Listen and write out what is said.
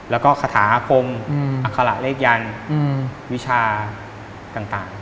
แล้วก็คาถาคมอัคระเลขยันวิชาต่าง